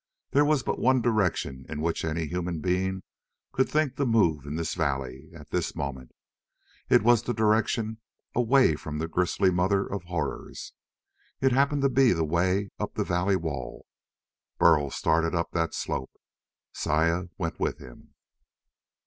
There was but one direction in which any human being could think to move in this valley, at this moment. It was the direction away from the grisly mother of horrors. It happened to be the way up the valley wall. Burl started up that slope. Saya went with him.